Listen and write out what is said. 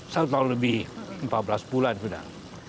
satu tahun lebih empat belas bulan sudah